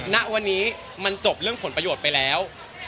ณวันนี้มันจบเรื่องผลประโยชน์ไปแล้ว